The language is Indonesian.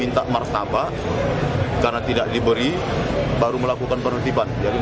anggota kita meminta martabak karena tidak diberi baru melakukan penertiban